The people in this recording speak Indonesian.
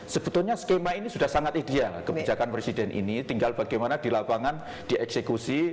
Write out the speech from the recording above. sebetulnya skema ini sudah sangat ideal kebijakan presiden ini tinggal bagaimana di lapangan dieksekusi